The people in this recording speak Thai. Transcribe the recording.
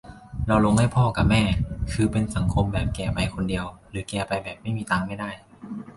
เราลงให้พ่อกะแม่ คือเป็นสังคมแบบแก่ไปคนเดียว หรือแก่ไปแบบไม่มีตังค์ไม่ได้